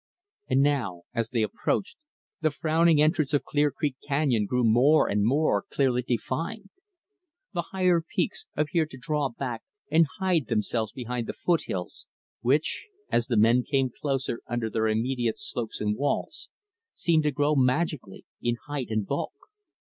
And now, as they approached, the frowning entrance of Clear Creek Canyon grew more and more clearly defined. The higher peaks appeared to draw back and hide themselves behind the foothills, which as the men came closer under their immediate slopes and walls seemed to grow magically in height and bulk.